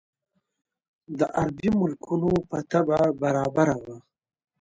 د عربي ملکونو په طبع برابره وه.